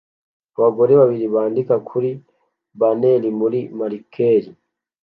Abagore babiri bandika kuri banneri muri marikeri